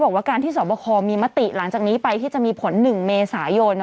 บอกว่าการที่สอบคอมีมติหลังจากนี้ไปที่จะมีผล๑เมษายน